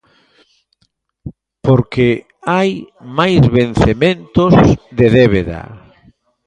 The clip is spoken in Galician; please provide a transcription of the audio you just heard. Porque hai máis vencementos de débeda.